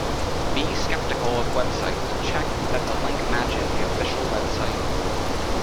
Be skeptical of websites, check that the link matches the official website.